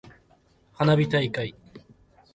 花火大会。